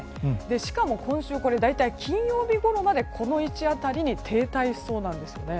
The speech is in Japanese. しかも、今週の金曜日ごろまでこの位置辺りに停滞しそうなんです。